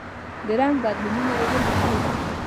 د رنګ بدلونونه یې ولیکئ.